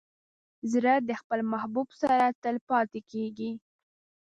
زړه د خپل محبوب سره تل پاتې کېږي.